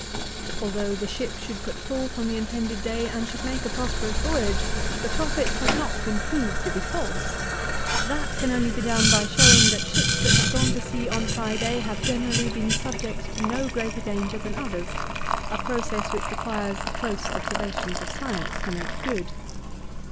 Although the ship should put forth on the intended day and should make a prosperous voyage, the prophet has not been proved to be false. That can only be done by showing that ships that have gone to sea on Friday have generally been subject to no greater danger than others, a process which requires the close observations of science to make good.